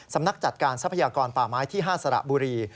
สำนักจัดการทรัพยากรป่าไม้ที่๕สระบุรี